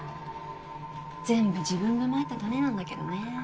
全部自分が蒔いた種なんだけどね。